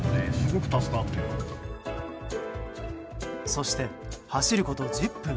そして、走ること１０分。